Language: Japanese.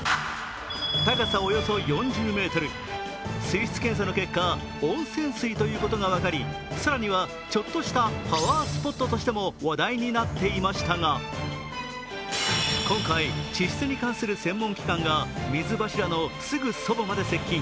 高さおよそ４０ｍ、水質検査の結果、温泉水ということが分かり、更にはちょっとしたパワースポットとしても話題になっていましたが、今回、地質に関する専門機関が水柱のすぐそばまで接近。